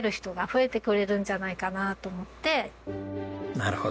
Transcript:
なるほど。